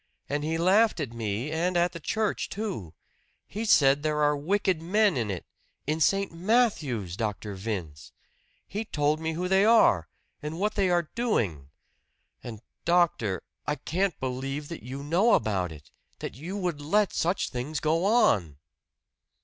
And he laughed at me, and at the church, too. He said there are wicked men in it in St. Matthew's, Dr. Vince! He told me who they are, and what they are doing! And, doctor I can't believe that you know about it that you would let such things go on!"